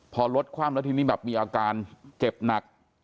พอรถคว่ำแล้วทีนี้แบบมีอาการเจ็บหนัก